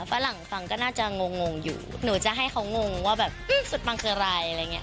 ฝรั่งฟังก็น่าจะงงอยู่หนูจะให้เขางงว่าแบบสุดปังคืออะไรอะไรอย่างเงี้